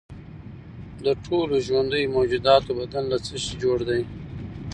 د ټولو ژوندیو موجوداتو بدن له څه شي جوړ دی